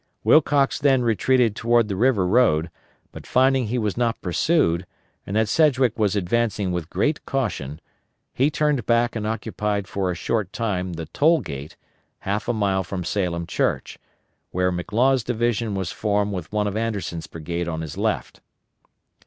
Wilcox then retreated toward the river road, but finding he was not pursued, and that Sedgwick was advancing with great caution, he turned back and occupied for a short time the Toll Gate, half a mile from Salem Church, where McLaws' division was formed with one of Anderson's brigades on his left.